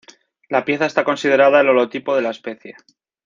La pieza está considerada el holotipo de la especie.